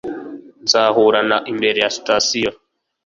Nzahura na imbere ya sitasiyo